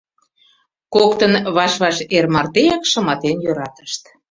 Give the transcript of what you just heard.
Коктын ваш-ваш эр мартеак шыматен йӧратышт.